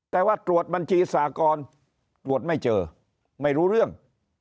แต่ว่าตรวจบัญชีสากรตรวจไม่เจอไม่รู้เรื่อง